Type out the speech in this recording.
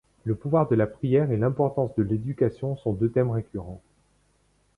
Le pouvoir de la prière et l'importance de l'éducation sont deux thèmes récurrents.